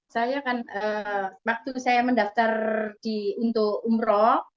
saya kan waktu saya mendaftar untuk umroh